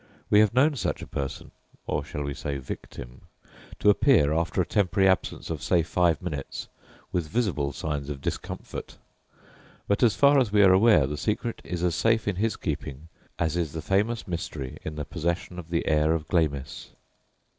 We have known such a person or shall we say victim? to appear after a temporary absence, of say, five minutes, with visible signs of discomfort; but as far as we are aware the secret is as safe in his keeping as is the famous mystery in the possession of the heir of Glamis.